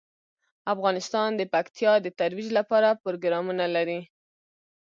افغانستان د پکتیا د ترویج لپاره پروګرامونه لري.